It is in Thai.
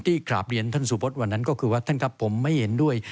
กราบเรียนท่านสุพธิ์วันนั้นก็คือว่าท่านครับผมไม่เห็นด้วย